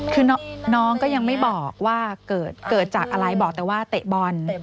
คือน้องก็ยังไม่บอกว่าเกิดจากอะไรบอกแต่ว่าเตะบอล